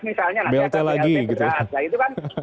misalnya nanti blt beras